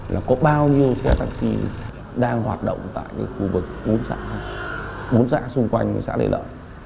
là có bao nhiêu xe taxi đang hoạt động tại khu vực bốn xã bốn xã xung quanh xã lê lợi